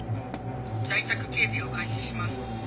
「在宅警備を開始します」